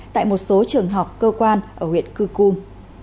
tại một số trường hợp cơ quan ở huyện cư cung